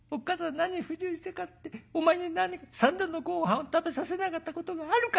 何不自由したからってお前に何か三度のごはんを食べさせなかったことがあるか。